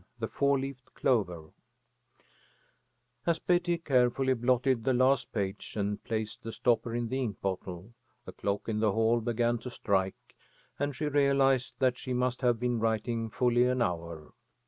THE FOUR LEAVED CLOVER As Betty carefully blotted the last page and placed the stopper in the ink bottle, the clock in the hall began to strike, and she realized that she must have been writing fully an hour.